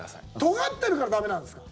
とがってるから駄目なんですか？